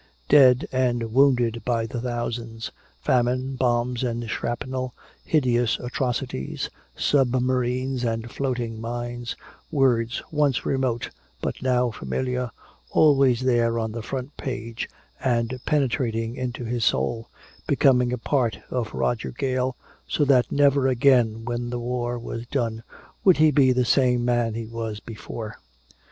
Dead and wounded by the thousands, famine, bombs and shrapnel, hideous atrocities, submarines and floating mines, words once remote but now familiar, always there on the front page and penetrating into his soul, becoming a part of Roger Gale, so that never again when the war was done would he be the same man he was before.